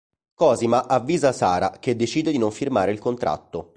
Cosima avvisa Sarah, che decide di non firmare il contratto.